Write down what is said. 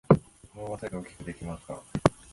もうワンサイズ大きくできますか？